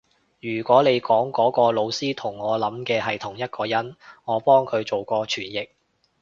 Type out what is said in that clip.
如果你講嗰個老師同我諗嘅係同一個人，我幫佢做過傳譯